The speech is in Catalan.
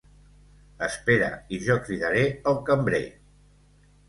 Espera i jo cridaré el cambrer.